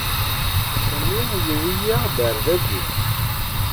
Sami yewwi-yaɣ-d ar dagi.